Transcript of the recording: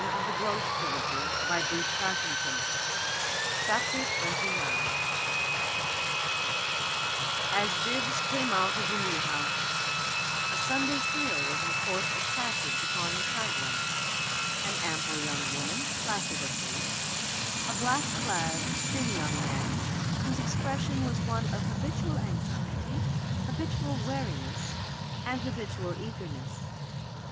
So Sheridan had his way with Bibbs, all through. CHAPTER XXIX As Bibbs came out of the New House, a Sunday trio was in course of passage upon the sidewalk: an ample young woman, placid of face; a black clad, thin young man, whose expression was one of habitual anxiety, habitual wariness and habitual eagerness.